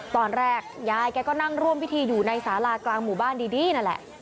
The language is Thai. ตอนแรกยายแกก็นั่งร่วมพิธีอยู่ในสารากลางหมู่บ้านดีนั่นแหละ